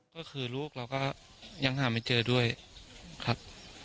ก็คือลูกเราก็ยังหาไม่เจอด้วยครับ